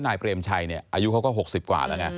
นายเบรมชัยอายุเขาก็๖๐กว่า